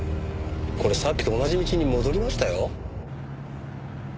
これさっきと同じ道に戻りましたよ。